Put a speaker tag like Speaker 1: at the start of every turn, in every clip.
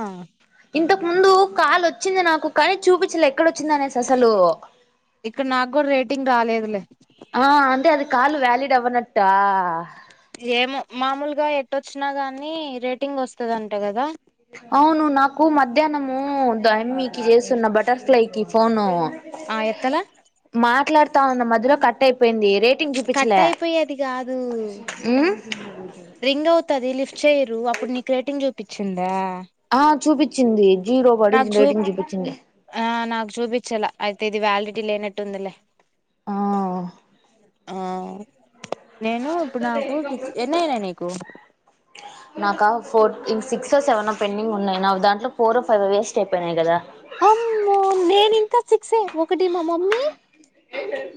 Speaker 1: ఆ
Speaker 2: ఇంతక్ ముందు కాల్ ఓచ్చింది నాకు. కానీ చూపించలే ఎక్కడ ఓచ్చింది అనేసి అసలు.
Speaker 1: ఇక్కడ నాక్ గూడా రేటింగ్ రాలేదులే.
Speaker 2: ఆ అంటే అది కాల్ వ్యాలిడ్ అవ్వనట్టా.
Speaker 1: ఏమో, మామూలుగా ఎట్టఓచ్చిన గాని రేటింగ్ ఓస్తదంట కదా.
Speaker 2: అవును నాకు మధ్యానము దయమ్మికి చేస్తున్న బటర్ఫ్లైకిి ఫోను.
Speaker 1: ఆ ఎత్తలా.
Speaker 2: ఎత్తుత ఉన్న మధ్యలో కట్ అయిపోయింది. రేటింగ్
Speaker 1: కట్
Speaker 2: చూపించలే
Speaker 1: అయిపోయేది కాదు
Speaker 2: ఉమ్.
Speaker 1: రింగ్ అవుతది లిఫ్ట్ చేయరు, అప్పుడు నీక్ రేటింగ్ చూపిత్. చ్చిందా.
Speaker 2: ఆ చూపిత్. చ్చింది. జీరో బడిజ్
Speaker 1: నాకు చూ
Speaker 2: రేటింగ్ చూపించింది.
Speaker 1: ఆ నాకు చూపించలా అయితే ఇది వ్యాలిడి లేనట్టుందిలే.
Speaker 2: ఆ
Speaker 1: [unintelligible] ఆ నేను ఇప్పుడు నాకు సిక్స్ ఎన్నయినాయి నీకు
Speaker 2: నాకా ఫోర్టీన్ సిక్సో సెవనో పెండింగ్ ఉన్నాయి నావి దాంట్లో ఫోరో ఫైవో వేస్ట్ అయిపోయినాయ్ కదా
Speaker 1: అమ్మో నేను ఇంకా సిక్సే ఒకటి మా మమ్మీ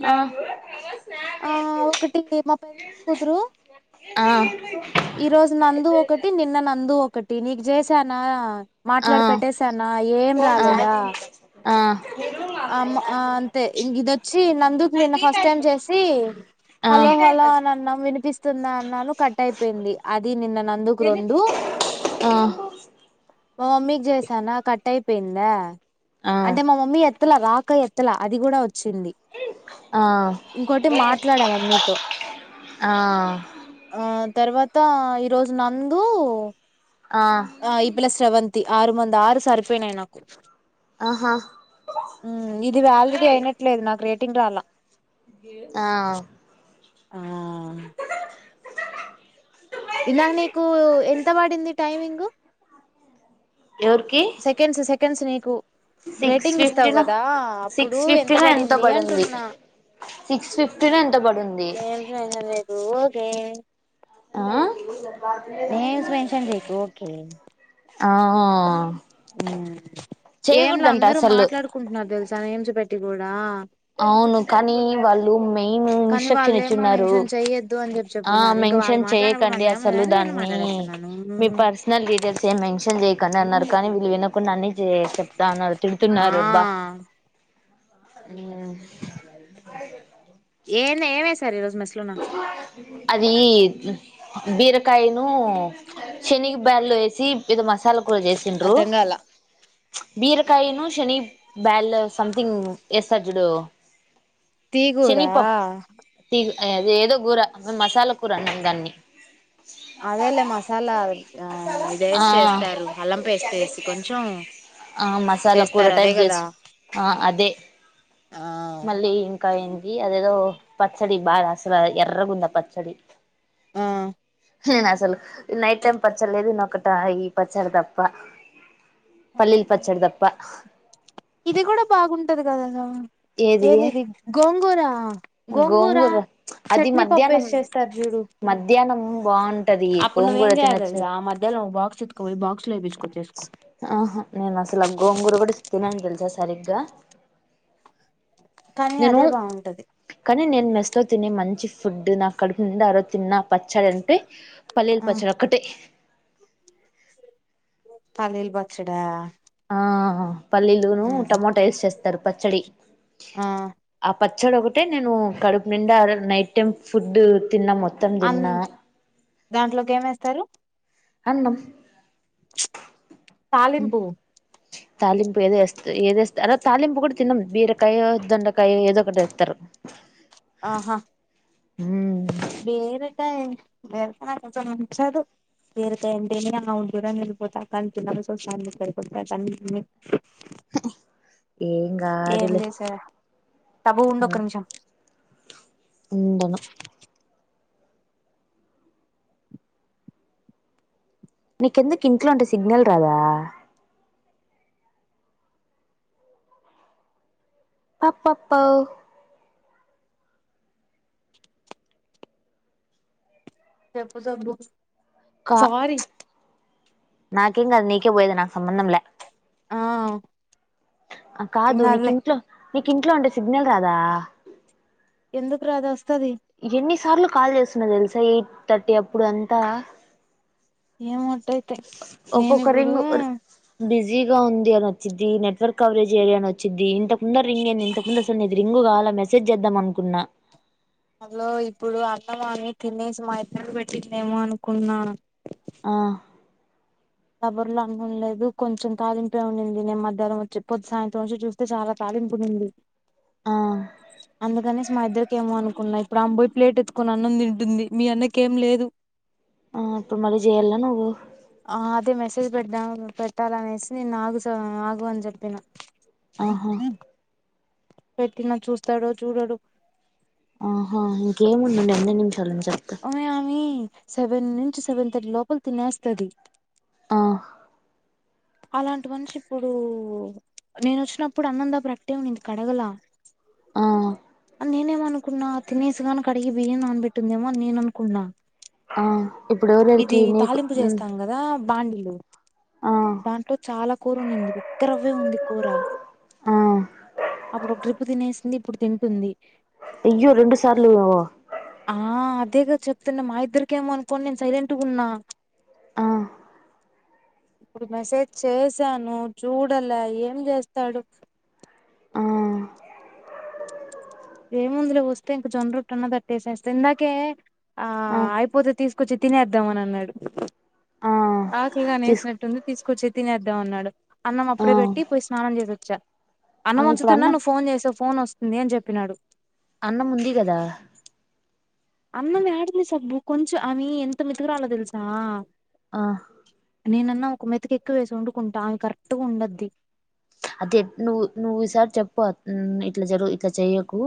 Speaker 2: ఆ
Speaker 1: ఆ ఒకటి మా పెద్ద కూతురు
Speaker 2: ఆ
Speaker 1: ఈరోజు నందు ఒకటి నిన్న నందు ఒక టి నీకు చేసానా మాట్లాడి
Speaker 2: ఆ
Speaker 1: పెట్టేసానా ఏం రాలేదా
Speaker 2: చార్జింగ్ అయితది
Speaker 1: అమ్మ్ ఆ అంతే ఇదొచ్చి నందుకు నిన్న ఫస్ట్ టైమ్ చేసి
Speaker 2: ఆ ఆ
Speaker 1: హలో హలో అని అన్నా వినిపిస్తుందా అన్నాను కట్ అయి పెంది అది నిన్న నందుకు రెండు మా మమ్మీకి చేసానా కట్ అయి పిందాఆ అంటే మా మమ్మీ ఎ ఎత్తల రాక ఎత్తల అది కూడా ఇచ్చింది
Speaker 2: ఆ
Speaker 1: ఇంకోటి మాట్లాడా మమ్మీతో
Speaker 2: ఆ
Speaker 1: ఆ తర్వాత ఈరోజు నందూ ఆ ఈపిల్ల శ్రవంత్ తి ఆరుమంది ఆరు సరిపోయినాయి నాకు
Speaker 2: ఆహా
Speaker 1: ఉ ఇది వాలెడీ అయినట్లేదు నాకు రేట్ టింగ్ రాలా
Speaker 2: ఆ
Speaker 1: ఆ ఇలా నీకు ఎంత పడింది టైమింగు
Speaker 2: ఎవుర్కి
Speaker 1: తెల్స్ నీకు
Speaker 2: సిక్స్
Speaker 1: రేటింగ్ ఇస్తావు
Speaker 2: ఫిఫ్టీనో
Speaker 1: కదా అప్పుడు
Speaker 2: సిక్స్
Speaker 1: ఎంత
Speaker 2: ఫిఫ్టీ నో ఎంతో పడింది
Speaker 1: అంటున్నా
Speaker 2: సిక్స్ ఫిఫ్టీనో ఎంతో పడింది
Speaker 1: కే
Speaker 2: ఆ
Speaker 1: నేమ్స్ మెన్షన్ చేకు ఓకే
Speaker 2: ఆహో
Speaker 1: హ్మ్ ఏంలా అందరు
Speaker 2: అసలు
Speaker 1: మాట్లాడుకుంటున్నారు తెలుసా నేమ్స్ పెట్టి కూడా
Speaker 2: అవును కానీ వాళ్ళు మెయిన్
Speaker 1: కానీ
Speaker 2: ఇంస్ట్రక్షన్స్
Speaker 1: వాళ్ళేమో
Speaker 2: ఇచ్చిన్నారు
Speaker 1: మెన్షన్ చెయ్యొద్దు అని చెప్పి
Speaker 2: ఆ
Speaker 1: చెప్పున్నారు ఇంకా వాళ్ళు
Speaker 2: మెన్షన్
Speaker 1: మాట్లాడినప్పుడు
Speaker 2: చెయకండి
Speaker 1: మనది ఏముంది
Speaker 2: అసలు
Speaker 1: కానీ నేను
Speaker 2: దాన్ని
Speaker 1: మాట్లాడేస్తున్నాను
Speaker 2: మీ పర్సనల్ డీటెయిల్స్ ఏమి మెన్షన్ చెయకండి అన్నారు కానీ వీళ్ళు వినక్కుండాన్నన్ని చె తాన
Speaker 1: ఆ
Speaker 2: తిన్టున్నారు రుబ్బా ఊ హాయ్ చెప్పు
Speaker 1: ఏంది ఏమేసారు ఈరోజు మెస్ లో నాకు
Speaker 2: [unintelligible] అది ఈ బీరకాయను శనగబ్యాల్లు వేసి పెద మ సలుకలు చేసిండ్రు
Speaker 1: అర్ధం కాల
Speaker 2: బీరకాయను శనగ బ్యాల్లు సంథింగ్ ఎస్తారు చూడు.
Speaker 1: తీగూరా
Speaker 2: శనిపప్పు తీ ఏదో కూర మసాలా కూర అంట దాన్ని
Speaker 1: అదేలే మసాలా ఆ ఇది
Speaker 2: ఆ
Speaker 1: వేసి చేస్తారు అల్లం పేస్ట్ వేసి కొంచెం
Speaker 2: ఆ మసాలా కూర
Speaker 1: చేస్తారు. అదే
Speaker 2: టైప్
Speaker 1: కదా
Speaker 2: చేసి ఆ అదే
Speaker 1: ఆ
Speaker 2: మళ్ళీ ఇంకా ఏంది అదేదో పచ్చడి బాగా అసలు ఎర్ర గుంద పచ్చడి
Speaker 1: ఆ
Speaker 2: హె అసలు నైట్ టైం పచ్చర్లేదు ఇన్నొ ఒకట ఈ పచ్చడి తప్ప పల్లీల్ పచ్చడదప్ప
Speaker 1: ఇది కూడా బాగుంటది కదాదా
Speaker 2: ఏది
Speaker 1: ఏందిది గొం కూరా గోంగూర
Speaker 2: అది
Speaker 1: చట్నీపప్పు
Speaker 2: మధ్యాహ్నం
Speaker 1: వేసి చేస్తారు చూడు.
Speaker 2: మధ్యాహ్నం బాగుంటది
Speaker 1: అప్పుడు
Speaker 2: గోంగూర
Speaker 1: నువ్వేం
Speaker 2: తినొచ్చు
Speaker 1: చేయగలసా ఆ మధ్యలో బాక్స్ ఇతుకువ ఈ బాక్స్ లో వయిసుకుా
Speaker 2: ఆహ నేను అసలు గోంగురు కూడా సత నేను తెలుసా సరిగ్గా
Speaker 1: కానీ
Speaker 2: నేను
Speaker 1: అదే బాగుంటది
Speaker 2: కానీ నేను మెస్త తో తినే మంచి ఫుడ్ నాకు కడుపు నిండా ఆరోజు తిన్న పచ్చడి అంటే పల్లీలు
Speaker 1: ఆ
Speaker 2: పచ్చడి ఒకటే
Speaker 1: పల్లీలు పచ్చడా
Speaker 2: ఆ పల్లీలు టొమాటా వేస్ చేస్తా తరుపచ్చడి
Speaker 1: ఆ
Speaker 2: పచ్చడి ఒకటే నేను కడుపు నిండా ఆరోజు నైట్ టైం ఫుడ్ తిన్నా మొత్తం
Speaker 1: అ
Speaker 2: తిన్నా
Speaker 1: దాంట్లోకి ఏమేస్తారు.
Speaker 2: అన్నం
Speaker 1: చ్ తాలింపు
Speaker 2: తాలింపు ఏదోస్త ఏదేస్తరో అ తాలింపు కూడా తిన్నం బీరకాయ దొండకాయ ఏదో ఒకడ ఎత్తరు
Speaker 1: ఆహా వేరే కాయే బీరకాయ నాకు నచ్చదు బీరకాయ అంటేనే ఆమడ దూరంగా అల్లిపోతా కని [unintelligible]
Speaker 2: ఏం
Speaker 1: ఏం
Speaker 2: కాదులే
Speaker 1: చేశారు తబ్బు ఉండు
Speaker 2: అలా
Speaker 1: ఒక నిమిషం
Speaker 2: ఉండను నీకెందుకు ఇంట్లో ఉంటే సిగ్నల్ రాదా అప్పప్పా
Speaker 1: చెపు సబ్బు
Speaker 2: కా
Speaker 1: సోరి
Speaker 2: నాకేం కాదు నీకే పోయేదు నాకు సంబంధం లే
Speaker 1: ఆ
Speaker 2: ఆ
Speaker 1: ఏం
Speaker 2: కాదు నీకు
Speaker 1: కాదులే
Speaker 2: ఇంట్లో నీకు ఇంట్లో ఉండే సిగ్నల్ కాదా
Speaker 1: ఎందుకు రాదస్
Speaker 2: ఎన్ని సార్లు కాల్ చేస్ సిన తెలుసా ఎయిట్ థర్టీ అప్పుడు అంతా
Speaker 1: ఏ మొ తే నేను ఇప్పుడు
Speaker 2: బిజీ గా ఉంది అని వచ్చిది నెట్వర్క్ కవరేజ్ ఏరియా అని వచ్చిద్ది ఇంత దార్ రింగ్ేంది ఇంతకుముందు అసలు తకనిది రింగు కాల్ మెసేజ్ చేద్దాం అనుకున్నా
Speaker 1: అందులో ఇప్పుడు అన్నం అని తినేసి మా ఇద్దరికి పెట్టిదేమో అనుకున్నా
Speaker 2: ఆ
Speaker 1: కబర్లు అనుండలేదు కొంచెం కాలింపే ఉంనింది నేను మధ్యాహ్నం వచ్చి పొద్ సాయంత్రం వచ్చి చూస్తే చాలా తాలింపునింది
Speaker 2: ఆ
Speaker 1: అందుకనేసి మా ఇద్దరికి ఏమో అనుకున్నా ఇప్పుడు అంబోయి ప్లేట్ ఎత్తుకొని అన్నం తింటుంది మీ అన్నకేం లేదు
Speaker 2: ఆ ఇప్పుడు మళ్ళీ చేయాల్నా నువ్వు
Speaker 1: ఆ అదే మెసేజ్ పెట్ట పెట్టాలనేసి నేను ఆగు సో ఆగు అని చెప్పిన
Speaker 2: ఆహా
Speaker 1: దబ్ పెట్టిన చూస్తాడో చూడడు
Speaker 2: ఆహా ఇంకేముండండి రెండే నిమ్
Speaker 1: ఒమే ఓమి సెవెన్ నుంచి సెవెన్ థర్టీ లోపల తినేస్తది
Speaker 2: ఆ
Speaker 1: అలాంటి మనిషి ఇప్పుడు నేను వచ్చినప్పుడు అన్నందా బ్లీడ్డే ఉన్నింది కడగలా
Speaker 2: ఆ
Speaker 1: నేనేమనుకున్నా తినేసిగాని కడిగి బియ్యం నానబెట్టిందేమోఅని నేను అనుకున్నా
Speaker 2: ఆ ఇప్పుడు ఎవరెవరికి
Speaker 1: ఇది
Speaker 2: నీకు
Speaker 1: తాలింపు
Speaker 2: ఉమ్
Speaker 1: చేస్తాం కదా బండిలో
Speaker 2: ఆ
Speaker 1: దాంట్లో చాలా కూర నింది ఒక్క రవ్వే ఉంది కూర
Speaker 2: ఆ
Speaker 1: అప్పుడు ఒక ట్రిప్పు తినేసింది ఇప్పుడు తింటుంది
Speaker 2: అయ్యో రెండు సార్లు
Speaker 1: ఆ అదేగా చెప్తున్న మా ఇద్దరికేమో అనుకోని నేను సైలెంట్గా ఉన్నా
Speaker 2: ఆ
Speaker 1: ఇప్పుడు మెసేజ్ చేసాను చూడలే ఏం చేస్తాడు
Speaker 2: ఆ
Speaker 1: ఏ ముందులో వస్తే ఇంక జొన్న రొట్టనా తట్టేసేస్తే ఇందాకే ఆ అయిపోతే తీసుకొచ్చి తినేద్దామని అన్నాడు
Speaker 2: ఆ
Speaker 1: ఆకలిగా
Speaker 2: తీసు
Speaker 1: అనేేసినట్టుంది తీసి కూచి తినేద్దాం అన్నాడు అన్నం
Speaker 2: ఆ
Speaker 1: అప్పుడే పెట్టి పోయి స్నానం చేసేంద్ చ అన్న
Speaker 2: ఆ ఇప్పుడు
Speaker 1: వంచుతున్నా
Speaker 2: అన్నం
Speaker 1: నువ్వు ఫోన్ చేసావు ఫోన్ వస్ నేన్ చెప్ చెప్పినాడు
Speaker 2: అన్నం ఉంది కదా
Speaker 1: అన్నం యాడికి సబ్బు కొంచెం అవి ఎంత మెతుకురాలో తెలుసా
Speaker 2: ఆ
Speaker 1: నేనన్నా ఒక మెతుకు ఎక్కువ వేసి వండుకుంటా అమే కరెక్ట్ గా ఉండద్ది
Speaker 2: అది నువ్వు నువ్వు ఈసారి చెప్పు ఇట్లా జరు ఇట్లా చెయకు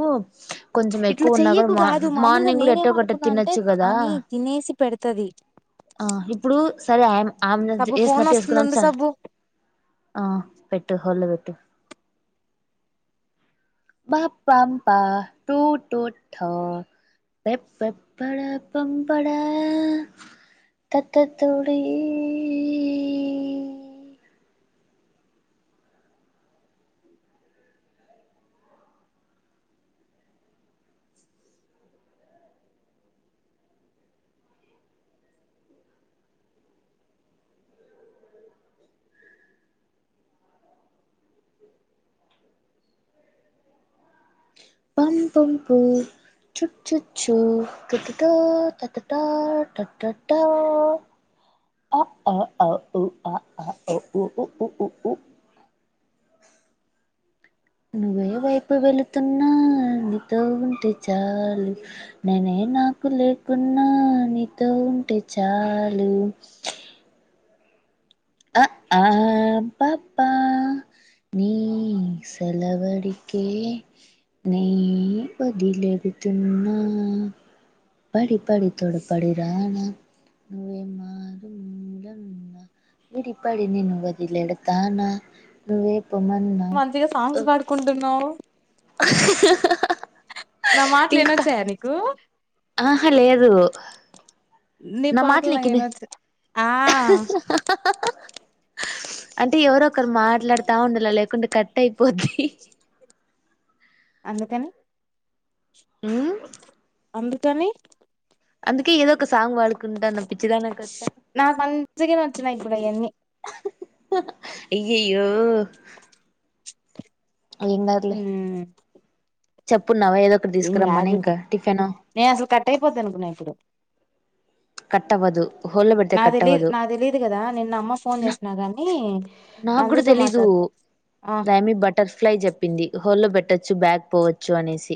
Speaker 2: కొంచెం
Speaker 1: ఇట్లా
Speaker 2: ఎక్కువ ఉన్నా కూడా
Speaker 1: చెయ్యకు
Speaker 2: మార్
Speaker 1: కాదు మామూలుగా
Speaker 2: మార్నింగ్ కూడా ఎట్టో కట్ట
Speaker 1: నేనేమనుకున్నా అంటే
Speaker 2: తినోచు కదా
Speaker 1: ఆమె తినేసి పెడతది
Speaker 2: ఆ ఇప్పుడు సరే ఆ ఆమె
Speaker 1: సబ్బు ఫోన్
Speaker 2: వేసినట్టు
Speaker 1: వస్తుంది
Speaker 2: వేసుకున్నాం
Speaker 1: ఉండు
Speaker 2: సర
Speaker 1: సబ్బు
Speaker 2: ఆ పెట్టు హోళ్ళో పెట్టు బ పాంపా టూ టూఠ ప పె పడా పంపడా తత్ తుడి పం పంపు చు చు చు క త ట అ అ నువ్వే వైపు వెళుతున్నా నీతో ఉంటే చాలు నేనే నాకు లేకున్నా నీతో ఉంటే చాలు ఆ అబ్బబా నీ సలవడికే నీ వదిలేెడుతున్నా పడి పడి తోడ పడి రానా ను్వే మారు ములన్నా విడి పడి నేను వదిలేడతానా ను్వే పప్ప మన్నా
Speaker 1: మంచిగా సాంగ్స్ పాడుకుంటున్నా అవు
Speaker 2: ఆ
Speaker 1: నా మాటలు వినొచ్చాయ నీకు
Speaker 2: ఆ హలేదు
Speaker 1: నీ పాటలు నాకు ఇవ పడ్త
Speaker 2: అంటే ఎవరు ఒకరు మాట్లాడుతా ఉండాల లేకుంటే కట్ అయిపోద్ది
Speaker 1: అందుకని
Speaker 2: అ
Speaker 1: అందుకని
Speaker 2: అందుకే ఏదో ఒ సాంగ్ వాడుకుంటున్న పిచ్చిదనాకట్టా
Speaker 1: నాయి కూడా ఈయన్ని
Speaker 2: అయ్యయ్యో ఇంగద్లే
Speaker 1: మ్మ్ ఏం కాదుతే
Speaker 2: ఇంకా టిఫిన్
Speaker 1: నేను అసలు కట్ అయిపోధీ అనుకున్నా ఇప్పుడు
Speaker 2: కట్టవదు హోల్లో పెడితే
Speaker 1: నా తెలీదు
Speaker 2: కట్టవదు
Speaker 1: నా తెలీదు కదా నిన్న అమ్మ ఫోన్ చేసినా గాని
Speaker 2: నాకు కూడా
Speaker 1: నందుతో
Speaker 2: తెలీదు
Speaker 1: మాట్లాడుత ఆ
Speaker 2: దాయమి బటర్ఫ్లై చెప్పింది హోలో పెట్ట చ్చు బబ్యాక్ పోవచ్చు అనేసి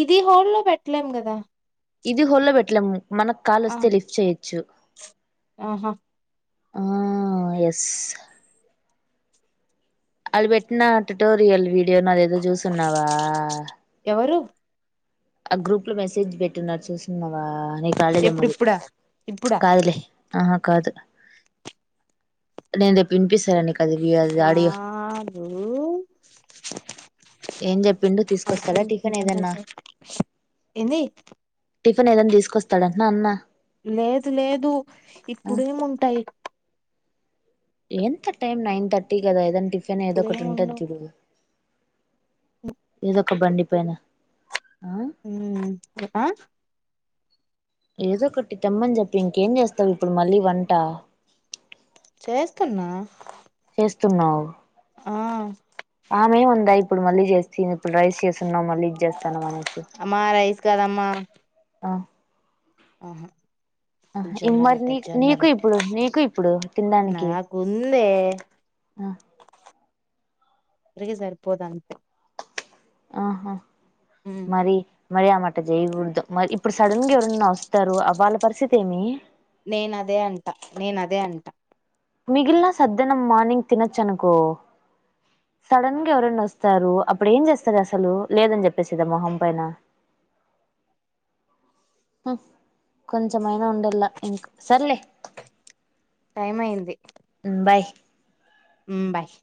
Speaker 1: ఇది హోల్ల్లో పెట్టలేం గదా
Speaker 2: ఇది హోల్ళబెట్లము మనకు కాల్
Speaker 1: ఆ
Speaker 2: వస్తే లిఫ్ట్ చేయొచ్చు
Speaker 1: ఆహా
Speaker 2: ఆ ఎస్ అళ్ పెట్టిన ్యూటోరియల్ వీ ఉన్నాది ఏదో జూస్ ఉన్నావా
Speaker 1: ఎవరు
Speaker 2: ఆ గ్రూప్ లో మెసేజ్ పెట్టిన్నారు చూస్తున్నావా నీ కాలేజ్
Speaker 1: ఎప్పుడు
Speaker 2: అమ్మది
Speaker 1: ఇప్పుడా ఇప్పుడా
Speaker 2: కాదులే ఆ హా కాదు నే న్ రేపినిపిసలె నీకు అది వి- అది ఆడియో
Speaker 1: కాారు
Speaker 2: ఏం చెప్
Speaker 1: ఎన్ ది
Speaker 2: ని ఏదైనా తీసుకొస్తాడ అన్నా అన్న
Speaker 1: లేదు లేదు
Speaker 2: ఆ,
Speaker 1: ఇప్పుడేమి ఉంటాయి
Speaker 2: ఎంత టైం నైన్ తర్టీ కదా ఏదని టిఫిన్ ఏదో ఒకటి ఉంటుది
Speaker 1: ఇప్పుడేముండవు
Speaker 2: చుడు ఏదో ఒక బండి పైన ఆ
Speaker 1: ఉమ్ ఆ
Speaker 2: ఏదో ఒకట్టి తెమ్మని చెప్పు ఇంకేం చేస్తావు ఇప్పుడు మళ్ళీ వంట
Speaker 1: చేస్తున్నా
Speaker 2: స్తున్నావు
Speaker 1: ఆ
Speaker 2: ఆమె ఉందా ఇప్పుడు మళ్ళీ చేస్తా ఇప్పుడు రైస్ చేస్తున్నాం మళ్ళీ ఇది చేస్తానమ్ అనేసి
Speaker 1: మా రైస్ కాదమ్మా
Speaker 2: ఆ
Speaker 1: ఆహా
Speaker 2: ఆ
Speaker 1: జొన్న
Speaker 2: ఇగమర్ని
Speaker 1: రొట్టె
Speaker 2: నీ
Speaker 1: జొన్న
Speaker 2: నీకు
Speaker 1: రొట్టె
Speaker 2: ఇప్పుడు నీకు ఇప్పుడు తినడానికి
Speaker 1: నాకుందే
Speaker 2: ఆ
Speaker 1: ఇద్దరికి సరిపోద్ అంత్
Speaker 2: ఆహా మరి మరి ఆమట జయకూడదు మరి ఇప్పుడు సడన్గా ఎవరన్నా వస్తారు అ వాళ్ళ పరిస్థితి ఏమి
Speaker 1: నేన్ అదే అంట నేనదే అంట
Speaker 2: మిగిలిన సద్ద్యనం మార్నింగ్ తినొచ్చనుకో సడన్గా ఎవరన్న వస్తారు అప్పుడు ఏం చేస్తారు అసలు లేదని చెప్పేసిద్దా మొహం పైన కొంచమైనా ఉండల్లా ఇంక సర్లే
Speaker 1: టైమ్ అయింది
Speaker 2: ఉమ్ బాయ్
Speaker 1: ఉమ్ బయ్